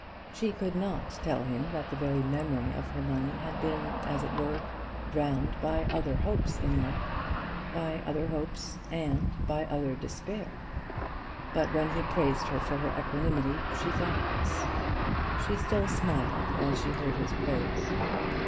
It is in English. She could not tell him that the very memory of her money had been, as it were, drowned by other hopes in life, by other hopes and by other despair. But when he praised her for her equanimity, she thought of this. She still smiled as she heard his praise.